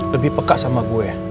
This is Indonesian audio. lebih peka sama gue